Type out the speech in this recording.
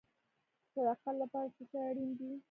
د صداقت لپاره څه شی اړین دی؟